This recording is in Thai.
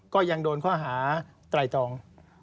ก็ยังโดนข้อหาไตรตรอง